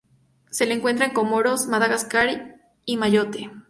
Se lo encuentra en Comoros, Madagascar, y Mayotte.